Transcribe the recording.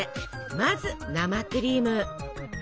まず生クリーム。